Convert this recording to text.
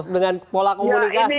dengan pola komunikasi